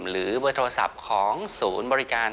หรือเบอร์โทรศัพท์ของศูนย์บริการ